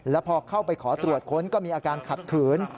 แล้วพอเข้าไปขอตรวจค้นก็มีอาการขัดขืน